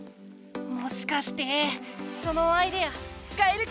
もしかしてそのアイデアつかえるかも。